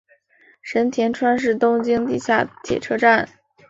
神田川是东京地下铁车站。